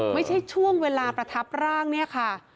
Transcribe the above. ไม่ใช่ช่วงเวลาประทับร่างเนี่ยค่ะ